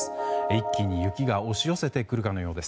一気に雪が押し寄せてくるかのようです。